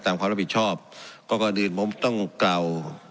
ความรับผิดชอบก็ก่อนอื่นผมต้องกล่าว